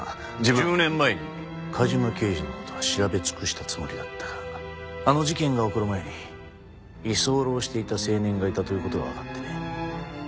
１０年前に梶間刑事の事は調べ尽くしたつもりだったがあの事件が起こる前に居候していた青年がいたという事がわかってね。